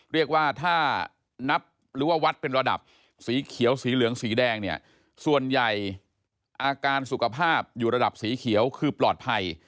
เรียกว่าถ้านับหรือว่าวัดเป็นระดับสีเขียวสีเหลืองสีแดงเนี่ยส่วนใหญ่อาการสุขภาพอยู่ระดับสีเขียวคือปลอดภัย